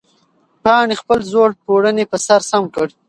پاڼې خپل زوړ پړونی په سر سم کړ.